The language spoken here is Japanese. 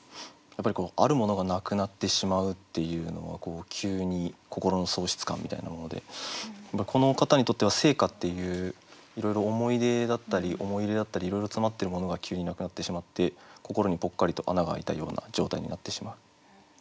やっぱりこうあるものがなくなってしまうっていうのは急に心の喪失感みたいなものでこの方にとっては生家っていういろいろ思い出だったり思い入れだったりいろいろ詰まってるものが急になくなってしまって心にぽっかりと穴が開いたような状態になってしまう。